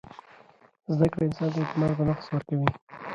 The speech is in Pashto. زده کړه انسان ته اعتماد په نفس ورکوي.